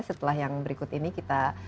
setelah yang berikut ini kita